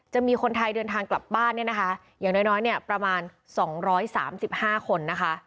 จะมีคนไทยเดินทางกลับบ้านอย่างน้อยประมาณ๒๓๕คน